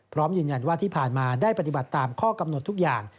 พร้อมยืนยันว่าที่ผ่านมาได้ปฏิบัติตามข้อกำหนดทุกอย่าง